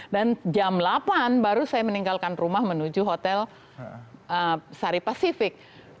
dan jam delapan baru saya meninggalkan rumah menuju hotel sari pasifik